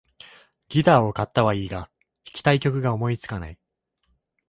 ギターを買ったはいいが、弾きたい曲が思いつかない